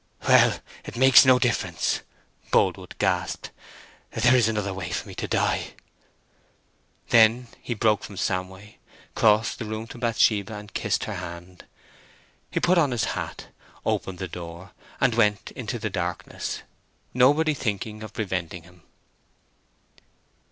"Well, it makes no difference!" Boldwood gasped. "There is another way for me to die." Then he broke from Samway, crossed the room to Bathsheba, and kissed her hand. He put on his hat, opened the door, and went into the darkness, nobody thinking of preventing him.